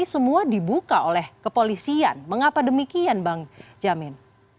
semua dibuka oleh kepolisian mengapa demikian bang jamin